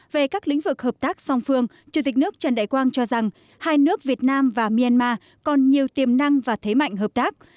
về các lĩnh vực hợp tác song phương chủ tịch nước trần đại quang cho rằng hai nước việt nam và myanmar còn nhiều tiềm năng và thế mạnh hợp tác